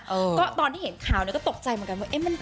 ก็ตอนที่เห็นข่าวเนี่ยก็ตกใจเหมือนกัน